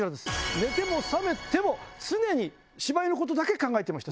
寝ても覚めても常に芝居のことだけ考えてました。